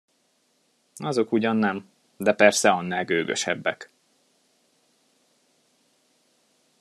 Azok ugyan nem, de persze annál gőgösebbek.